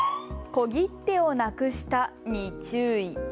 小切手をなくしたに注意。